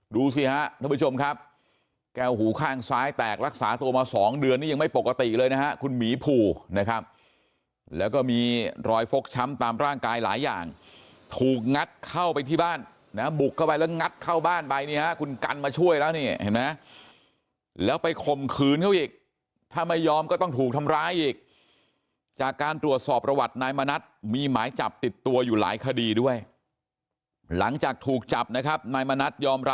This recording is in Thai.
ดูสิครับท่านผู้ชมครับแก้วหูข้างซ้ายแตกรักษาตัวมาสองเดือนนี้ยังไม่ปกติเลยนะครับคุณหมีผูนะครับแล้วก็มีรอยฟกช้ำตามร่างกายหลายอย่างถูกงัดเข้าไปที่บ้านนะบุกเข้าไปแล้วงัดเข้าบ้านไปเนี่ยคุณกันมาช่วยแล้วเนี่ยนะแล้วไปข่มขืนเข้าอีกถ้าไม่ยอมก็ต้องถูกทำร้ายอีกจากการตรวจสอบระวัตินายมณัฐม